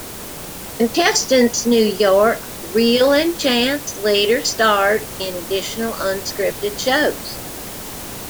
Contestants New York, Real and Chance later starred in additional unscripted shows.